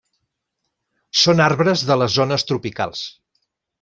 Són arbres de les zones tropicals.